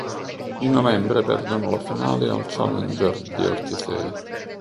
In novembre perdono la finale al Challenger di Ortisei.